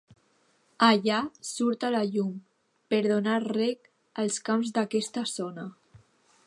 Allà surt a la llum, per donar reg als camps d'aquesta zona.